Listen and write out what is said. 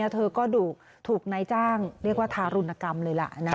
เธอก็ถูกนายจ้างเรียกว่าทารุณกรรมเลยล่ะ